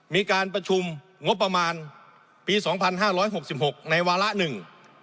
มีการประชุมงบประมาณปีสองพันห้าร้อยหกสิบหกในวาระหนึ่ง